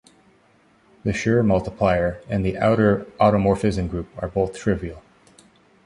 The Schur multiplier and the outer automorphism group are both trivial.